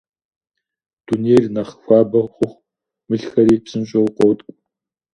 Дунейр нэхъ хуабэ хъуху, мылхэри псынщӀэу къоткӀу.